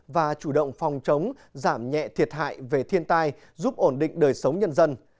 và chủ động phòng chống giảm nhẹ thiệt hại về thiên tai giúp ổn định đời sống nhân dân